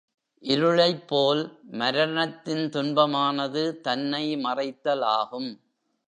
இருளைப் போல் மரணத்தின் துன்பமானது தன்னை மறைத்தலாகும்.